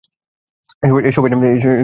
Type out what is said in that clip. এসব আইন আমাকে দেখাতে আসবে না।